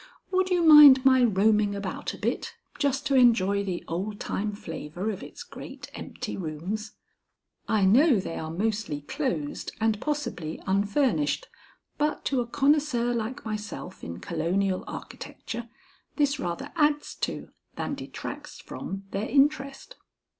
Would you mind my roaming about a bit just to enjoy the old time flavor of its great empty rooms? I know they are mostly closed and possibly unfurnished, but to a connoisseur like myself in colonial architecture, this rather adds to, than detracts from, their interest."